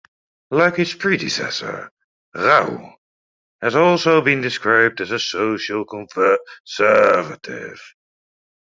Like his predecessor, Rau has also been described as a social conservative.